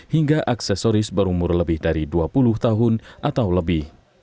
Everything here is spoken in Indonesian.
hingga aksesoris berumur lebih dari dua puluh tahun atau lebih